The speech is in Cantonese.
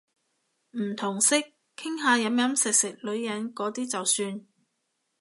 唔同色，傾下飲飲食食女人嗰啲就算